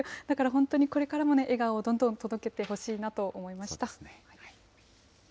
だから、本当にこれからも笑顔をどんどん届けてほしいなと思いました。